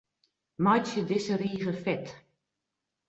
Meitsje dizze rige fet.